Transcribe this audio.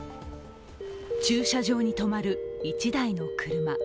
駐車場に止まる１台の車。